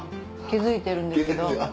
気付いてるんですけど。